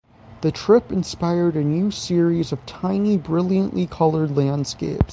The trip inspired a new series of tiny, brilliantly coloured landscapes.